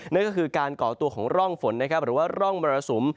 นั่นก็คือการก่อตัวของร่องฝนนะครับหรือว่าร่องมรสุม